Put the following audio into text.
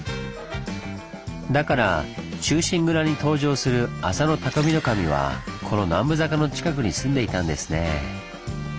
だから「忠臣蔵」に登場する浅野内匠頭はこの南部坂の近くに住んでいたんですねぇ。